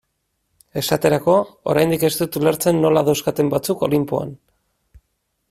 Esaterako, oraindik ez dut ulertzen nola dauzkaten batzuk Olinpoan.